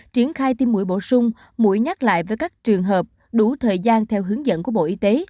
triển khai tiêm mũi bổ sung mũi nhắc lại với các trường hợp đủ thời gian theo hướng dẫn của bộ y tế